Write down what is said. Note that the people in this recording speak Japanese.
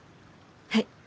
はい。